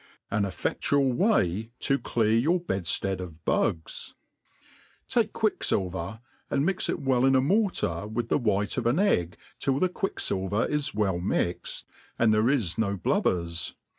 An e£'eSIual IFay to char your hedflead of Bugs, TAKE quiclcfilver, and mix it well in a, mortar with the white of an egg till the guickfilver tjs^all well mixt, ajEid there is no blubbers.